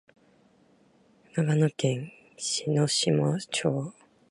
長野県下條村